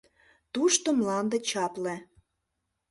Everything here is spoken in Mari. — Тушто мланде чапле.